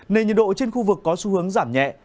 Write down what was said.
nền nhiệt độ trên khu vực có xu hướng giảm nhẹ